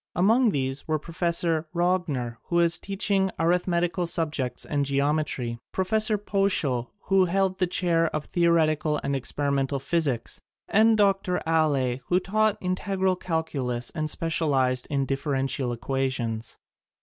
Among these were Prof. Rogner, who was teaching arithmetical subjects and geometry; Prof. Poeschl, who held the chair of theoretical and experimental phys ics, and Dr. Alle, who taught integral cal culus and specialized in differential equa tions.